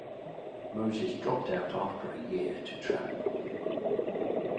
Moses dropped out after a year to travel.